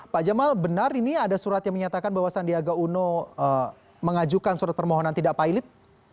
pak jamal benar ini ada surat yang menyatakan bahwa sandiaga uno mengajukan surat permohonan tidak pilot